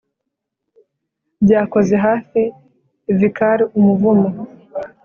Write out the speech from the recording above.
byakoze hafi vicar umuvumo